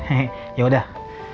he he yaudah